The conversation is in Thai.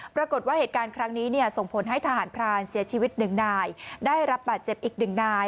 ปรากฏว่าเหตุการณ์ครั้งนี้ส่งผลให้ทหารพรานเสียชีวิตหนึ่งนายได้รับบาดเจ็บอีกหนึ่งนาย